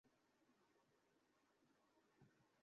Good night Rahul.